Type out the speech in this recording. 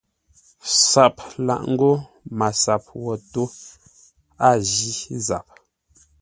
SAP laʼ ńgó MASAP wo tó, a jí zap.